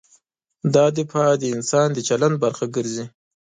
دا دفاع د انسان د چلند برخه ګرځي.